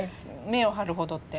目を張るほどって。